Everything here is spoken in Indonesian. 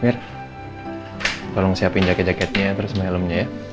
biar tolong siapin jaket jaketnya terus helmnya ya